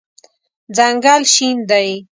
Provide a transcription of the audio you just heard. ځنګل شین دی